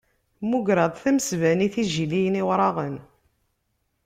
Mmugreɣ-d tamesbanit n Yijiliyen Iwraɣen.